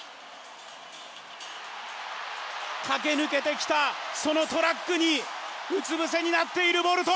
駆け抜けてきたそのトラックにうつ伏せになっているボルト。